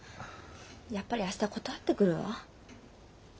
やっぱり明日断ってくるわ。